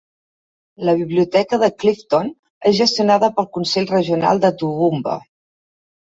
La biblioteca de Clifton és gestionada pel Consell Regional de Toowoomba.